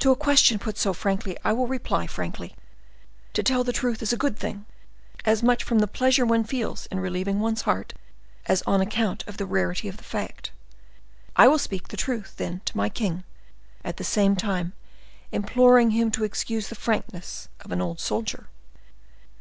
To a question put so frankly, I will reply frankly. To tell the truth is a good thing, as much from the pleasure one feels in relieving one's heart, as on account of the rarity of the fact. I will speak the truth, then, to my king, at the same time imploring him to excuse the frankness of an old soldier."